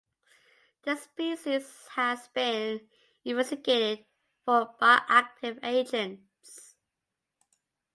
The species has been investigated for bioactive agents.